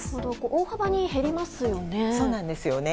大幅に減りますよね。